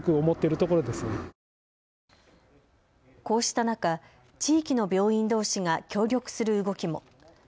こうした中地域の病院どうしが協力する動きも。